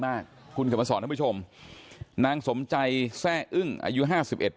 มากคุณเขียนมาสอนท่านผู้ชมนางสมใจแซ่อึ้งอายุห้าสิบเอ็ด